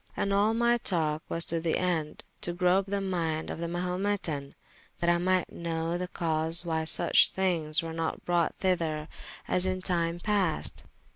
And all my talke was to the ende [p.354] to grope the mynde of the Mahumetan, that I might know the cause why such thinges were not brought thyther as in tyme paste.